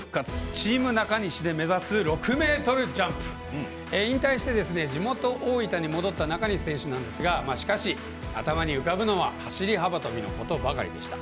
チーム中西で目指す６ｍジャンプ引退して地元・大分に戻った中西選手なんですがしかし頭に浮かぶのは走り幅跳びのことばかりでした。